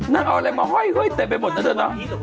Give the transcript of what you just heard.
นั่นเอาอะไรมาห้อยเต็มไปหมดนั่นน่ะ